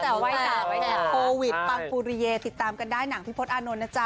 แต่ว่าไหว้สามารถแต่โควิดปังปุริเยติดตามกันได้หนังพิพธอานนท์นะจ๊ะ